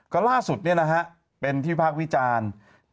ก็ล่าสุดเป็นที่พากษ์วิจารณ์